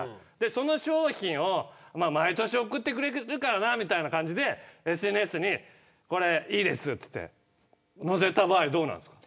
その商品を毎年送ってくれてるからなみたいな感じでＳＮＳにこれ、いいですって載せた場合はどうなんですか。